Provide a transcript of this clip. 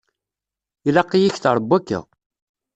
Ilaq-iyi kter n wakka.